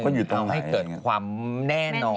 เพราะอยู่ตรงไหนทำให้เกิดความแน่นอน